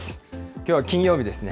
きょうは金曜日ですね。